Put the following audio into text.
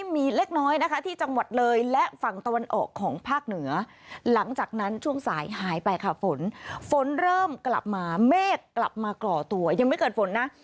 แม่กลับมาก่อตัวยังไม่เกิดฝนนะ